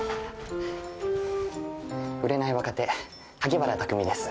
売れない若手萩原匠です。